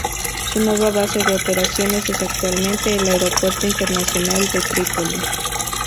Su nueva base de operaciones es actualmente el aeropuerto internacional de Trípoli.